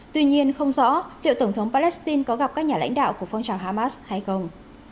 tuy nhiên không rõ liệu tổng thống palestine có gặp các nhà lãnh đạo của phong trào hamas hay không